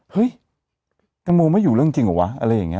เฮ้ยตังโมไม่อยู่เรื่องจริงเหรอวะ